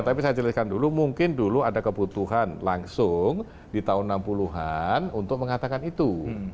tapi saya jelaskan dulu mungkin dulu ada kebutuhan langsung di tahun enam puluh an untuk mengatakan itu